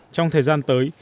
trong thời gian tới